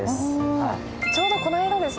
ちょうどこの間ですね